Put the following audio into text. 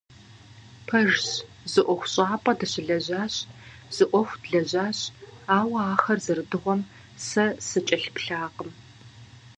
Пэжщ, зы ӀуэхущӀапӀэ дыщылэжьащ, зы Ӏуэху здэдлэжьащ, ауэ ахэр зэрыдыгъуэм сэ сыкӀэлъыплъакъым.